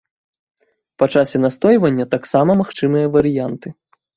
Па часе настойвання таксама магчымыя варыянты.